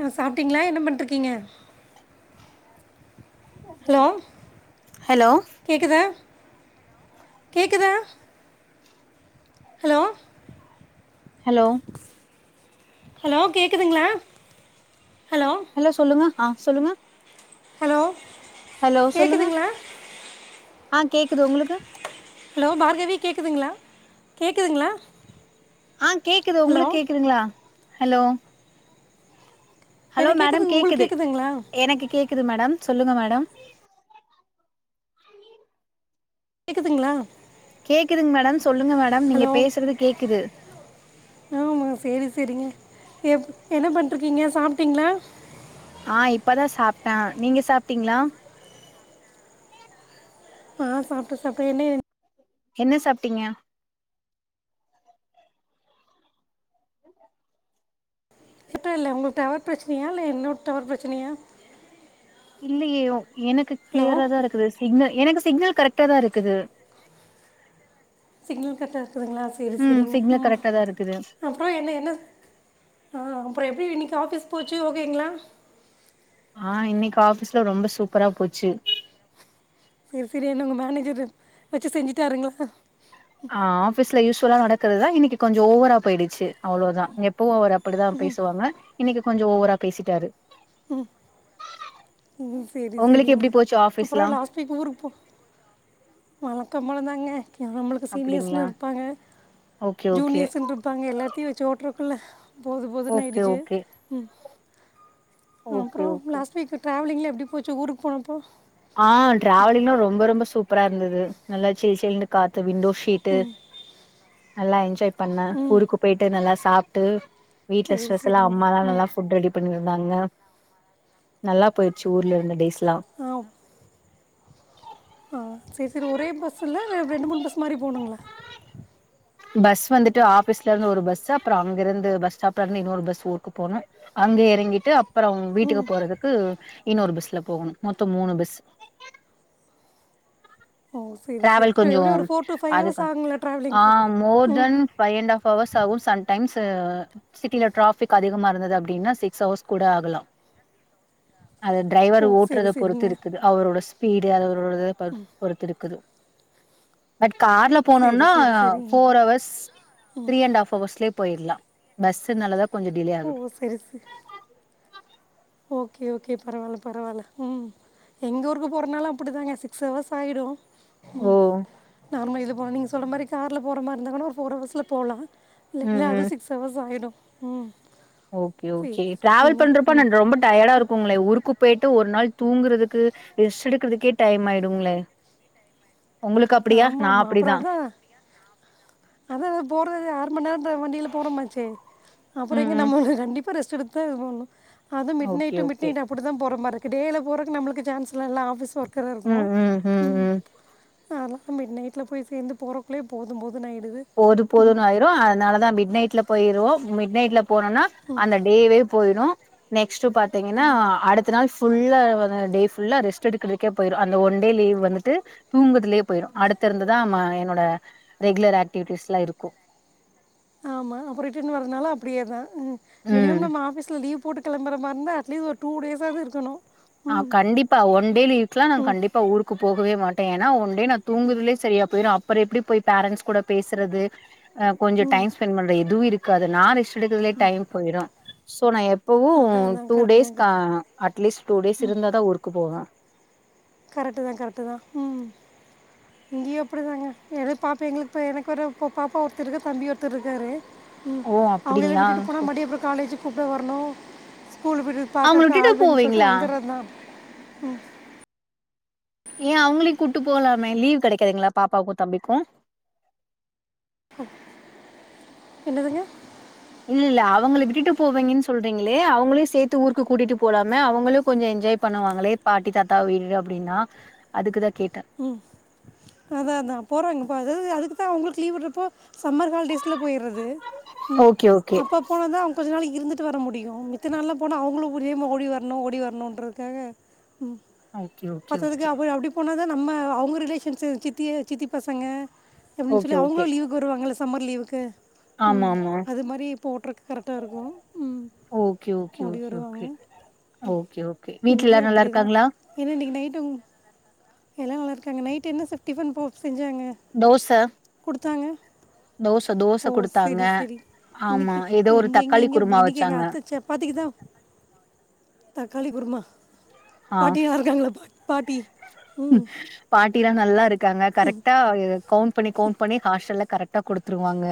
ஆ சாப்ட்டீங்களா என்ன பண்ட்ருக்கீங்க? ஹலோ ஹலோ கேக்குதா கேக்குதா ஹலோ ஹலோ ஹலோ கேக்குதுங்களா ஹலோ சொல்லுங்க ஆ சொல்லுங்க ஹலோ ஹலோ சொல்லுங்க கேட்குதுங்களா ஆ கேக்குது உங்களுக்கு ஹலோ பார்கவி கேக்குதுங்களா கேக்குதுங்களா ஆ கேக்குது உங்களுக்கு கேக்குதுங்களா ஹலோ ஹலோ எனக்கு மேடம் கேட்குது உங்களுக்கு கேக்குது கேட்குதுங்களா எனக்கு கே க்குது மேடம் சொல்லுங்க மேடம் கேக்குதுங்களா கேக்குதுங் மேடம் சொல்லுங்க மேடம் நீங்க பேசுறது கேக்குது. ஆமாம் சரி சரிங்க எப் என்ன பண்ட்ருக்கீங்க சாப்ட்டீங்ளா? ஆ இப்பதா சாப்ட்டே நீங்க சாப்ட்டீங்களா ஆ சாப்ட்டே சாப்ட்டே என்ன என்ன சாப்ட்டீங்க? [unintelligible] இல்ல உங்களுக்கு டவர் பிரச்சனயா இல்ல என்னோட டவர் பிரச்சனயா இல்லையே எனக்கு கிளியராதா இருக்குது சிக்னல் எனக்கு சிக்னல் கரெக்டாதா இருக்குது சிக்னல் கரெக்டா இருக்குதுங்களா செரி ம் செரிங்க சிக்னல் ம் கரெக்டா தா இருக்குது அப்புறோ என்ன என்ன ஆ அப்புறோ எப்டி இன்னக்கி ஆஃபீஸ் போச்சு ஓகேங்களா? ஆ இன்னக்கி ஆஃபீஸ்ல ரொம்ப சூப்பரா போச்சு. செரி சரி என்ன உங்க மேனேஜர் வச்சு செஞ்சுட்டாருங்களா? ஆ ஆஃபீஸ்ல யூஸ் வலா நடக்கிறதுதா இன்னக்கி கொஞ்சோ ஓவரா போயிடுச்சு அவ்ளோதா எப்பவு அவரு அப்படிதா பேசுவாங்க இன்னைக்கு கொஞ்சோ ஓவரா பேசிட்டாரு உ உ சேரி உங்களுக்கு சேரிங்க எப்டி போச்சு அப்புறோ ஆஃபீஸ்லா லாஸ்ட் வீக் ஊருக்குப்போ வழக்கம் போல தாங்க ஓகே நம்மளுக்கு அப்டிங்களா சீனியர்ஸ்ன்னு இருப்பாங்க ஓகே ஓகே ஜூனியர்ஸ்னு இருப்பாங்க எல்லாத்தையு வச்சு ஓட்டுற இல்ல போது ஓகே போதுனுயாய்டுச்சு ஓகே உ ஓகே அப்புறோ ஓகே லாஸ்ட் வீக் டிராவலிங்லா எப்டி ப்படி போச்சு ஊருக்கு போனப்போ ஆ டிராவலிங்லா ரொம்ப ரொம்ப சூப் ப்ரா இருந்தது நல்லா சிலு சிலுனு காத்து த விண்டோ சீட்டு நல்லா என்ஜாய் பண்ணே ம் ஊருக்கு போயிட்டு நல்லா சாப்ட்டு வீட்டுல சரி ஸ்ப்ஷலா சரிங்க அம்மா தா ம் நல்லா ஃபுட்ரெடி பண்ணி டாங்க நல்லா போயிருச்சு ஊர்ல இருந்த டேஸ் ஆம் ஆ சேரி சேரி ஒரே பஸ்ஸுல இல்ல ரெண்டு மூணு பஸ் மாரி போணுங்களா பஸ் வந்துட்டு ஆஃபீஸ்ல இருந்து ஒரு பஸ்ஸு அப்புறோ அங்க இருந்து பஸ் ஸ்டாப்ல இருந்து இன்னொரு பஸ் ஊக்கு போணு அங்க எறங்கிட்டு அப்புறோ ம் வீட்டுக்கு போறதுக்கு இன்னொரு பஸ்ல போகணு மொத்தோ மூணு பஸ் ஓ சரி சரி டிராவல் கொஞ்சோ எப்படி ஒரு ஃபோர் டு ஃபைவ் அதுக்க ஹவர்ஸ் ஆகுங்களா ஆ ட்ராவலிங்க்கு மோர் ம் தென் ஃபைவ் அண்ட் ஹாஃப் ஹவர்ஸ் ஆகு சம்டைம்ஸ் த சிட்டில டிராஃபிக் அதிகமா இருந்தது அப்டின்னா சிக்ஸ் ஹவர்ஸ் கூட ஆகலா அது டிரைவர் ஓ சரி ஓட்டுறத பொறுத்து சரிங்க இருக்குது அவரோடஸ் ஸ்பீடு அந்த உள்ளத பொறுத்திருக்குது கார்ல சரி போனோனா சரி சரிங்க four hours three and half hours லே போயிட்லா பஸ்னாலதா ஓ செரி செரி ஓகே ஓகே பரவாயில்ல பரவாயில்ல ம் எங்க ஊருக்கு போறோனால அப்பிடி தாங்க சிக்ஸ் ஹவர்ஸ் ஆயிடு ம் ஓ நார்மலா இது போனு நீங்க சொல்ற மாரி கார்ல போற மாரி இருந்தா கூட ஒரு போர்ஹவர்ஸ்ல போலா ம் இல்லல அது ம் சிக்ஸ் அவர்ஸ் ஆய்டு ம் ஓகே சரி ஓகே டிராவல் சரிங்க பண்றப்போ நா ம் ரொம் டயடா இருக்குங்களே ஊருக்குப் பேய்ட்டு ஒரு நாள் தூங்குறதுக்கு ரெஸ்ட் எடுக்கறதுக்கே டைம் ஆயிடுங்களே உங்களுக்கு அப்டியா நா ஆமாமா அப்புறோ அப்டிதா அதா அததா போறது ஆறு மணி நேரோ த்த வண்டியில போறமாச்சே அப்புறோ ம் எங்க ம் நம்மலா கண்டிப்பா இப்ப ரெஸ்டு எடுத்தா போண்ணு அது mid okay night okay midnight அப்பிடிதா போற மாரி இரு டேல போறக்கு நமக்கு சான்ஸ்லா இல்ல ஆபீஸ் ஒர் க்கறா இருக்கு ம் அதலா மிட் நைட்ல போய் சேந்து போறக்குள்ளே போது போது போது போதுன்னு ஆயிரு அதனாலதா மிட் நைட்ல போயிருவோ மிட்நைட்ல போனனா அந்த டேவே போய்டு ‌ஸ்ட்டு பாத்தீங்கன்னா அடுத்த நாள் ஸ் ஃபுல்லா வன டேஃபுல்லா ரெஸ்ட் எடுக்கிறதுக்கே போயிரு அந்த ஒன் டே லீவ் வந்துட்டு தூங்குதுலியே போயிரு அடுத்த இருந்துதா மா என்னோட ரெகுலர் ஆக் டிடிஸ்லா இருக்கு ஆமா அப்புறோ ரிட்டன் வரதுனால அப்பிடியே தா ம் ம் மினிமம் நம்ம ஆபீஸ்ல லிவ் போட்டு கிளம்புறமார் இருந்தா அட்லீஸ்ட் ஒரு டூ டேஸ்ஸாது இருக்கணு ஆ ம் கண்டிப்பா ஒன் டே லிவ்க்லா நா ம் கண்டிப்பா ஊருக்கு போகவேமாட் டேனா ஒன் டே நா தூங்குறதிலே சரியா போயிரு அப் ப்புறோ எப்பிடி போய் பேரண்ஸ் கூட பேசுறது ஆ கொஞ்சோ ம் டைம் ஸ்பெண்ட் பண்ற இதுவு இருக் காது நா ரெஸ் எடுக்கதுலே டைம் போயிரு சோ நா எப் பவு அதா அதா டூ கரெக்ட்டு தா டேஸ்கா கரெக்ட்டு அட்லீஸ்ட் டூ டேஸ் இருந்தா தா ஊருக்கு போவ கரெட்டு தா கரெட்டு தா ம் இங்கயு அப்புடிதாங்க எத பாப்பா எங்களுக்கு இப்ப எனக்கு ஒரு பாப்பா ஒருத்தருகு தம்பி ஒருத்தர்ருக்காரு ம் ஓ அவுங்கள அப்டிங்களா விட்டுட்டு போனா மடி அப்றொ காலேஜு கூப்ட வர்னு ஸ்கூலு விட்றது அவங்கள பாக்கறக்கு விட்டுட்டு ஆள் வேணு சொல்ட்டு போவீங்களா வந்துறதா ம் ஏ அவுங்ளயு கூட்டு போலாமே லீவ் கெடைக்கதுங்ளா பாப்பாக்கு தம்பிக்கு என்னதுங்க இல்லெல்ல அவுங்கள விட்டுட்டு போவிங்கன் சொல்றீங்களே அவுங்களயு சேத்து ஊருக்கு கூட்டிட்டு போலாமே அவுங்களு கொஞ்ச என்ஜாய் பண்ணுவாங்களே பாட்டி தாத்தா வீடு அப்டின்னா அதுக்குதா கேட் ம் அதா அதா போறாங்கபா அதாவுது அது க்குதா அவுங்களுக்கு லீவுட்றப்போ சம்மர் ஹாலிடேஸ்ல போயிர்றது ம் ஓகே ஓகே அப்ப போனதா அவுங் கொஞ்ச நாளை இருந்துட்டு வர முடியு மித்த நாள்லா போனா அவுங்களு உரியமா ஓடி வர்னு ஓடி வர்னுன்றதுக்காக ம் ஓகே ஓகே பத்தாதுக்கு ஓகே அப அப்டி போனாதா நம்ம அவுங்க ரிலேஷன்ஸு சித்திய சித்தி பசங்க அப்டின் ஓகே சொல்லி ஓகே அவுங்களு லீவுக்கு வருவாங்கல சம்மர் லீவுக்கு ஆமா ம் ஆமா அது மாரி போட்றக்கு கரெக்டா இருக்கு okay okay okay okay okay okay வீட்ல எல்லாரு இங்கேயும் அப்படி தான் நல்லாருக்காங்களா? எல்லா நல்லாருக்காங்க நைட்டு என்ன ச டிஃபன் போ செஞ்சாங்க தோச குடுத்தாங்க தோச தோச ஓ குடுத்தாங்க செரி செரி ஆமா இன்னைக்கு ஏதோ ஒரு இங்க இங்க தக்காளி இங்க குருமா இன்னைக்கி எங்க வச்சாங்க அத்த சப்பாத்திக்கு தா தக்காளி குருமா ஆ பாட்டிலா இருக்காங்களா பா பாட்டி ம் பாட் டிலா நல்லா இரு க்காங்க கரெக்டா இது கவுண்ட் பண்ணி கவுண்ட் பண்ணி ஹாஸ்டல்ல கரெக்டா குடுத்துருவாங்க.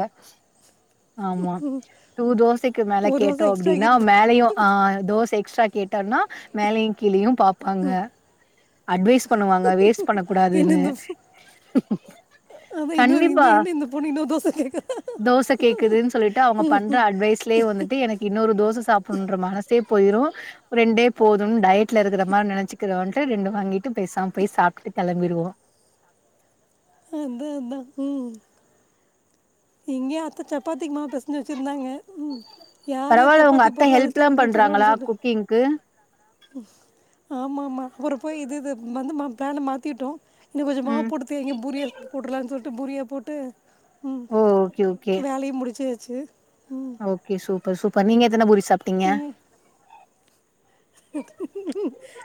ஆமா டூ தோசைக்கி மேல ஒரு கேட்டோ தோசை எக்ஸ்ட்ரா அப்பிடின்னா ஆக்கிட்டு போ- மேலயு ஆ தோசை எக்ஸ்ட்ரா கேட்டம்னா மேலயு கீழயு பாப்பாங்க அட்வைஸ் பண்ணுவாங்க வேஸ்ட் பண்ணக் என்ன கூடாதுன்னு. இந்த ஃபு- அதான் இன்னொரு கண்டிப்பா இந்த என்ன இந்த பொண்ணு இன்னொரு தோசை கேட்குறா தோச கேக்குதுன் சொல்லிட்டு அவுங்க பண்ற அட்வைஸ்லயே வந்துட்டு எனக்கு இன்னொரு தோச சாப்படுன்ற மன சே போயிரு ரெண்டே போதுன்னு டயட்ல இருக்கிற மாரி நெனைச்சுக்கிறோன் ட்டு ரெண்டு வாங்கிட்டு பேசாம போய் சாப்ட்டுட்டு கெளம்பிருவோ. அதா அதா ம் இங்க அத்த சப்பாத்திக்கு மாவு பெசஞ்சு வச்சிருந்தாங்க ம் யாருக்கு பரவால்ல உங்க சப்பாத்தி அத்த போடுறது அதிர்ஷ்டோ ஹெல்ப்லா இருக்குன்னு சொல்லுவாங்கன்னு பண்றாங்களா சொன்ன குக்கிங்க்கு ம் ஆமா ஆமா அப்றோ போய் இது இது வந்து மா பிளான மாத்திட்டோ இன்னு கொஞ்ச மாவு ம் போட்டு தேய்ங்க பூரியா சுட்டு போட்றலான்னு சொல் ட்டு பூரியா போட்டு ம் ஓ ஓகே ஓகே ச்சு ஓகே சூப்பர் சூப்பர் நீங்க எத்தன பூரி சாப்ட்டீங்க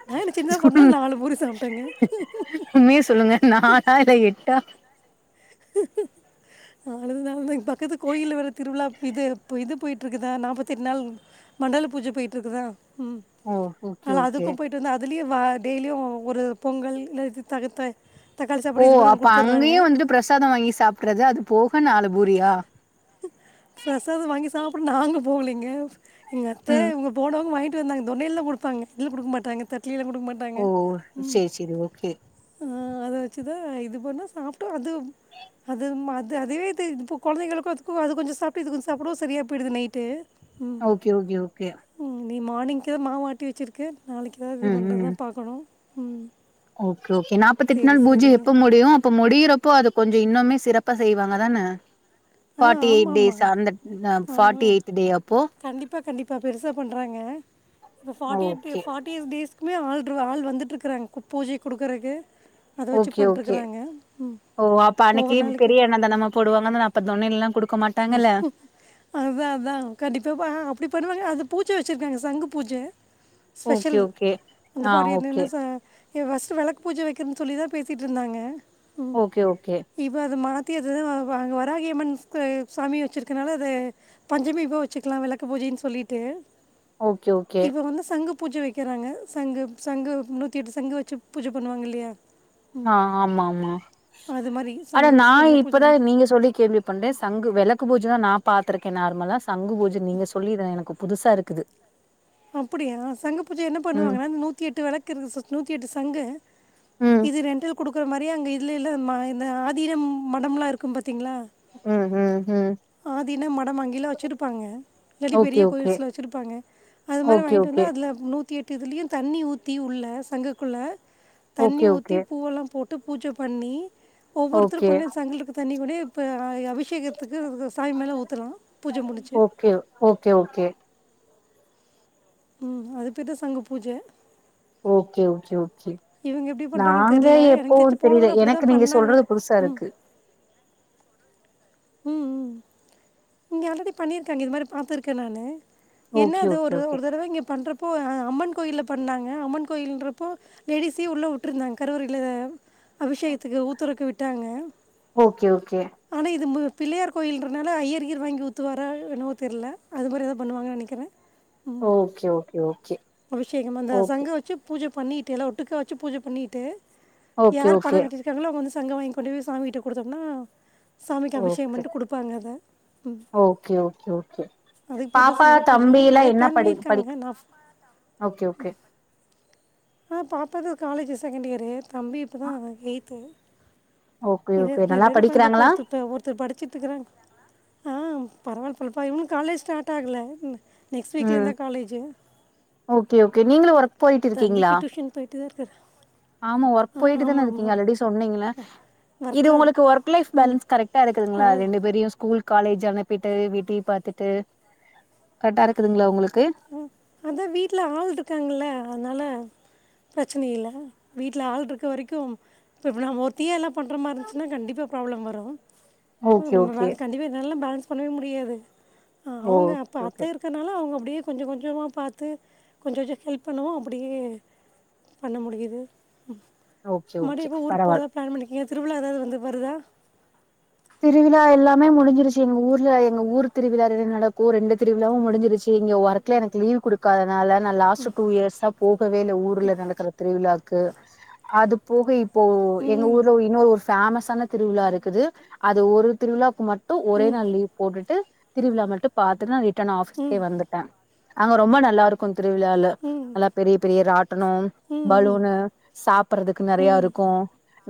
நா என்ன சின்ன பொண்ணு நாலு பூரி சாப்ட்டேங்க உண்மைய சொல்லுங்க நாலா இல்ல எட்டா நாலு நாலுனு இங் ப க்கத்து கோயில்ல வேற திருவிழா இது இப்ப இது போயிட்ருக்குதா நாப்பத்தெட்டு நாள் மண்டல பூஜ போயிட்டுருக்குதா ம் ஓ ஓகே அதனால ஓகே அதுக்கு போயிட்டு வந்தே அதுலயே வ டெய்லியு ஒரு பொங்கல் இல்ல இது தகு த தக்காளி ஓ சாப்பாடு இது மாதிரி ஒன்று அப்ப கொடுத்துட்றாங்க அங்கயே வந்துட்டு பிரசாதம் வாங்கி சாப்றது அது போக நாலுபூரியா பிரசாதம் வாங்கி சாப்ட நாங்க போவலீங்க எங்க அத்த ம் இவுங்க போனவங்க வாங் ந்தாங்க தொன்னைல்லதா குடுத்தாங்க இலயில கொடுக்க மாட்டாங்க தட்டு கீழ கொடுக்க மாட்டாங்க ஓ ம் சேரி சேரி ஓகே ஆ அத வச்சுதா இது பண்ணோ சாப்ட்டோ அது அது அது அதுவே இது இப்போ குழந்தைங்களுக்கு அதுக்கு அது கொஞ்ச சாப்பிட்டு இது கொஞ்சோ சாப்டவு சரியா போயிறுது நைட்டு ம் ஓகே ஓகே ஓகே ம் நீ மார்னிங்கே மாவாட்டி வச்சுருக்க நாளைக்கு தா இது பண்ணுறத பாக்கணு உ ஓ ஓகே நாப்பத் எட்டு நாள் பூஜ எப்ப முடியு அப்ப முடியிற இப்போ அது கொஞ்சோ இன்னுமே சிறப்பா செய்வாங்க தானே ஆ ஃபார்ட்டி ஆமாம் எயிட் டேஸ் ஆமாம் அந்த ஃபார்ட்டி எயிட்த் டே அப்போ இப்ப கண்டிப்பா பெருசா பண்றாங்க forty eight day okay forties days எப்பவுமே ஆளரூவ ஆள் வந்துட்டு இருக்கறாங்க பூஜ குடுக்கரக்கு ஓகே ஓகே ஓ அப்ப அன்னக்கி ஒவ்வொரு நாளைக்கு பெரிய அன்னதானமா போடுவாங்க இப்போ தொன்னைலயெல்லா அதா அதா கண்டிப்பா அப்டி பண்ணுவாங்க அது பூஜ வச்சிருக்காங்க சங்கு பூஜ ஓகே ஸ்பெஷல் ஓகே. அந்த ஆ ஃபாட்டி எயிட் ஓகே. நிமிஷ ஏ ஃபஸ்டு விளக்கு பூஜ வைக்கிறேனு சொல்லி தா பேசிட்டு இருந்தாங்க ஓகே ஓகே இது வராகிய அம்மன் சாமி வச்சிருக்கனால அத பஞ்சமி அப்ப வச்சுக்கலா விளக்கு பூஜைன்னு சொல்லிட்டு ஓகே ஓகே பூஜ வைக்கிறாங்க சங்கு சங்கு நூத்தி எட்டு சங்கு வச்சு பூஜ பண்ணுவாங்க இல்லயா ஆ ஆமா ஆமா மாதிரி ஆனா சங்கு நா வச்சு சங்கு பூஜை இப்பதா பண்ண நீங்க சொல்லி கேள்வி பண்றே சங்கு விளக் க்கு பூஜை நா பாத்திருக்கே நார்மலா சங்கு பூஜ நீங்க சொல்லி எனக்கு புதுசா இருக்குது அப்டியா சங்க பூஜ என்ன ம். பண்ணுவாங்கன்னா நூத்தி எட்டு விளக்கு இருக்கு நூத்தி எட்டு சங்கு ம். இது ரெண்டு குடுக்குற மாரி அங்கே இல்லல்ல இந்த ஆதின மடம்லாம் இருக்கும் பாத்தீங்களா ம். ம். ம். ஆதின மடம் அங்கயெல்லாம் வச்சிருப்பாங்க இல்லாட்டி ஓகே பெரிய ஓகே. கோயில்ஸ்ல வச்சிருப்பாங்க அது மாரி ஓகே வாங்கிட்டு வந்து ஓகே. அதுல நூத்தி எட்டு இதுலயும் தண்ணி ஊத்தி உள்ள சங்குக் குள்ள தண்ணி ஓகே ஊத்தி ஓகே. பூவெல்லாம் போட் பட்டு பூஜ பண்ணி ஒவ்வொருத்தரும் ஓகே. கொஞ்சம் சங்கல இருக்கறது தண்ணி கூட இப்ப அபிஷேகத்துக்கு இது சாமி மேல ஊத்தலாம் பூஜ முடிச்சு ஓகே. Okay okay. ம் அதுக்கு தான் சங்கு பூஜை ஓகே ஓகே செர் இவங்க எப்படி பண்ணுறாங்கன்னு நாங்களே தெரில எனக்கு எப்போ தெரிஞ்சு போன தெரியல தடவை அப்படி எனக்கு தான் நீங்க பண்ணாங்க சொல்றது புதுசா ம் இருக்கு ம் ம் இங்க ஆல்ரெடி பண்ணிருக்காங்க இது மாதிரி பாத்துருக்கேன் நானு என்ன ஓகே அது ஓகே ஒரு ஓகே. ஒரு தடவை இங்க பண்றப் போ அம்மன் கோயிலில் பண்ணாங்க அம்மன் கோயிலன்றப்போ லேடிஸையும் உள்ள வுட்டுருந்தாங்க கருவரையில அபிஷேகத்துக்கு ஊத்துறுக்கு வுட் டாங்க ஓகே ஓகே பிள்ளையார் கோயில்றனால ஐயர்கியிர் வாங்கி ஊத்துவார என்னவோ தெரியல அது மாரிதான் பண்ணுவாங்கனு நெனைக்கிறேன் ம் ஓகே ஓகே ஓகே. அபிஷேகம் அந்த ஓகே. சங்க வச்சு பூஜை பண்ணிக்கிட்டு எல்லாம் ஒட்டுக்கா வச்சு பூஜை பண்ணிட்டு ஓகே யாரு பணம் ஓகே. கட்டிருக்காங்களோ அவுங்க வந்து சங்க வாங்கி கொண்டு போய் சாமி கிட்ட குடுத்தோம்னா ஓகே ஓகே ஓகே ஓகே அதுக்கு பேர் தான் பாப்பா சங்க பூஜை தம்பிலாம் அதுக்கு என்ன பிளான் படி பண்ணியிருக்காங்க படிக்கி நான் ஓகே ஓகே ஆ பாப்பா தான் காலேஜ் செகண்ட் இயரு தம்பி இப்போ தான் எயித்து ஓகே ஓகே நல்லா படிக்கிறாங்களா பாத்துக்கறாங்க ஆ பரவாயில்ல பாப்பா இன்னும் காலேஜ் ஸ்டார்ட் ஆகல உம் ஓகேஓகே நீங்களும் ஒர்க் போயட்டு இருக்கிங்களா தம்பிக்கு டியூஷன் போயிட்டு தான் இருக்கிறேன் ஆமா ஒர்க் ஆ போயட்டு த ஆமாம் இருக்கிங்க ஆமாம் ஆல்ரெடி சொன்னிங்க ஒர்க்கில் அது உங்களுக்கு ஒர்க்லைக் ம் பேலன்ஸ் கரெக்ட் இருக்குங்களா அது ரெண்டு பெரும் ஸ்கூல் காலேஜ் அனுப்பிட்டு வீட்ட பாத்துட்டு கரெக்ட் அ க்குதுங்களா உங்களுக்கு அதான் வீட்டுல ஆள் இருக்காங்கல்ல அதுனால பிரச்சனை இல்லை வீட்டில் ஆள் இருக்க வரைக்கும் இப்பப்ப நாம் ஒத்தையாக எல்லாம் பண்ற மாதிர இருந்துச்சுன்னா கண்டிப்பாக ப்ராப்ளம் வரும் ஓகே நம்ம வாழ ஓகே கண்டிப்பா வெல்ல பண்ணவே முடியாது அவங்க ஓகே அப்ப ஓகே அத்தை இருக்கறனால அவங்க அப்படியே கொஞ்சம் கொஞ்சமாக பார்த்து கொஞ்ச கொஞ்ச ஹெல்ப் பண்ணவும் அப்புடியே பண்ண முடியுது ஓகே மறுபடியும் ஓகே எப்போ ஊருக்கு பரவாயில்ல போகிறதா பிளான் பண்ணியிருக்கீங்க திருவிழா ஏதாவது வந் வருதா திருவிழா எல்லாமே முடிஞ்சிருச்சு எங்க ஊர்ல எங்க ஊர் திருவிழா என்ன நடக்கும் ரெண்டு திருவிழாவும் முடிஞ்சிருச்சு இங்க ஒர்க்ல எனக்கு லீவ் குடுக்காது அதனால நான் லாஸ்ட் டூ இயர்ஸா போகவே இல்ல ஊர்ல நடக்கிற திருவிழா இருக்கு அது போக இப் இப்போ எங்க ம் ஊர்ல இன்னொரு ஒரு ஃபேமஸான திருவிழா இருக்குது அது ஒரு திருவிழாக்கு மட் டும் ஒரே ம் நாள் லீவ் போட்டுட்டு திருவிழா மட்டும் பாத்துன்னா ரிட்டர்ன் ம் ஆபிஸ்க்கே வந்துட்டேன் அங்க ரொம்ப நல்லா இருக்கும் திருவிழால ம் நல்லா பெரிய பெரிய ராட்டனம் ம் ம் பலூனு சாப்படுறதுக்கு நெறையலாம் ம் இருக்கும்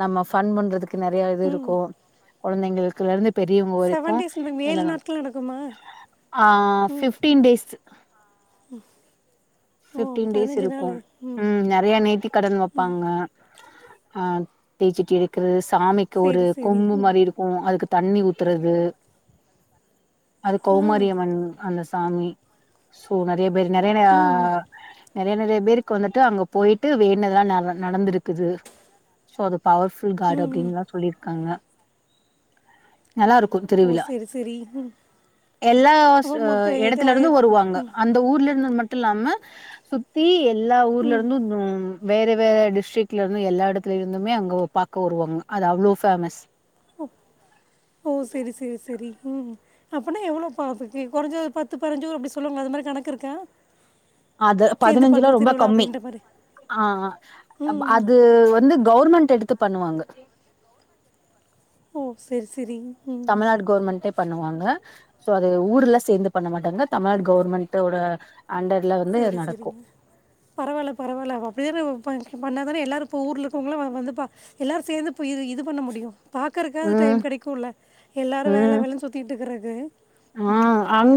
நம்ம ஃபன் பண்றதுக்கு நிறைய இது ம் இருக்கும் குழந்தைங்களுக்குல இருந்து பெரியவர்களுக்கு செவன் டேஸ் நடக்கும் வரைக்கும் ஏழு எல்லாம் நாட்கள் நடக்குமா ஹன் ம் ஃபிப்டின் டேஸ் ஓ பிப்டீன் டேஸ் பதினஞ்சு நாள் இருக்கும் ம் உம் நிறைய நேத்தி கடன்து வைப்பாங்க ஆஹ் தீச்சிட்டி எடுக்கிறது சாமிக்கு ஒரு சரி சரி கொம்பு ம் மாதிரி இருக்கும் அதுக்கு தண்ணி ஊத்துறது அது ஆ கௌமரியியம்மன் அந்த ச தாமி சோன டேபே நெறையனயா ம் நெறைய நெறைய பேருக்கு வந்துட்டு அங்க போயிட்டு வேணதெல்லா நட நடந்திருக்குது சோ அது பவர்ஃபுல் காஃடு ம் ம் அப்பிடின்னுலா சொல்லியிருக்காங்க நல்லா இருக்கு ஓ திருவிழா சரி சரி ம் எல்லா ஸ் அப்போ மொத்தம் இது எடத்துல இருந்து ஆயிரத்தி வருவாங்க ம் அந்த ஊர்ல இருந்து மட் ட் இல்லாம சுத்தி எல்லா ஊர்ல ம் இருந்து ம் வேற வேற டிஸ்டரிக்ல இருந்து எல்லா இடத்துலய இருந்துமே அங்க ஒ பாக்க வருவாங்க அது அவ்ளோ ஃபேமஸ் ஓ சேரி சேரி சேரி ‌ம் அப்பன்னா எவ்ளோ பாத்துக்கு கொரஞ்சது பத்து பத்தனஞ்சி ஊரு அப்பிடி சொல்லுவாங்களே அதுமாரி கணக்கு இருக்கா அத சேர்ந்து பதினஞ்சில பண்ணுற ரொம்ப திருவிழா கம்மி அப்படின்ற மாதிரி ஆ அப் ம் அது வந்து கவர்மெண்ட் ட்டு எடுத்து பண்ணுவாங்க ஓ சேரி சேரி தமிழ்நாடு கவர்மெண்ட் பண்ணுவாங்க சோ அது ஊர்ல சேர்ந்து பண்ண மாட்டாங்க தமிழ்நாடு கவர்மெண்ட்டோட சேரி சேரிங்க பரவால்ல பரவால்ல [unintelligible] பண்ண தனே எல்லாரு இப் ஊர்ல இருக்கவுங்களா வ வந்து ப எல்லாரு சேந்து போய் இ இது பண்ண முடியு பக்கர்க்காது ம் டைம் கெடைக்குல்ல எல்லாரு வேல ம் வேலன்னு சுத்திட்டு இருக்கற் து ஆ அங்